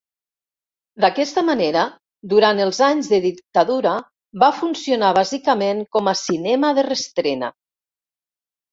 D'aquesta manera, durant els anys de dictadura va funcionar bàsicament com a cinema de reestrena.